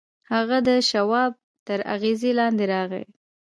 هغه د شواب تر اغېز لاندې راغی